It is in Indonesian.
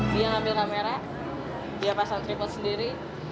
dia ngambil kamera dia pasang tripot sendiri